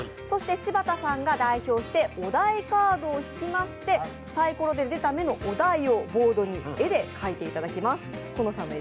そして柴田さんが代表してお題カードを引きましてさいころで出た目のお題をボードに絵で描いていただきます。